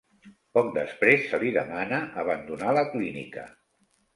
Poc després se li demana abandonar la clínica.